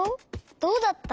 どうだった？